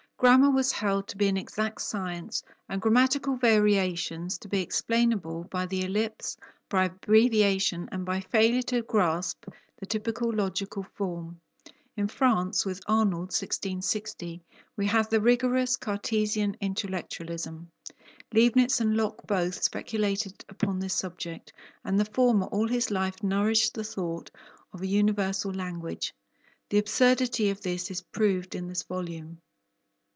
Grammar was held to be an exact science, and grammatical variations to be explainable by the ellipse, by abbreviation, and by failure to grasp the typical logical form. In France, with Arnauld (1660), we have the rigorous Cartesian intellectualism; Leibnitz and Locke both, speculated upon this subject, and the former all his life nourished the thought of a universal language. The absurdity of this is proved in this volume.